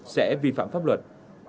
sẽ vi phạm pháp luật